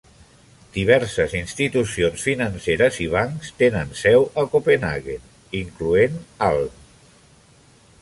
Diverses institucions financeres i bancs tenen seu a Copenhaguen, incloent Alm.